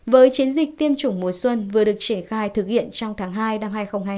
với chiến dịch tiêm chủng mùa xuân vừa được triển khai thực hiện trong tháng hai năm hai nghìn hai mươi